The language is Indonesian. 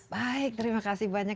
baik terima kasih banyak